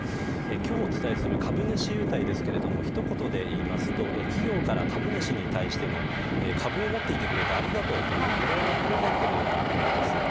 今日お伝えする株主優待ですがひと言で言いますと企業から株主に対しての株を持っていてくれてありがとうというお礼のプレゼントのようなものです。